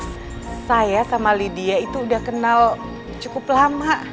terus saya sama lydia itu udah kenal cukup lama